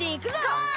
ゴー！